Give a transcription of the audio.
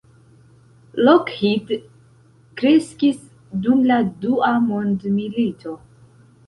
Lockheed kreskis dum la Dua mondmilito.